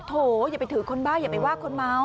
โถอย่าไปถือคนบ้าอย่าไปว่าคนเมา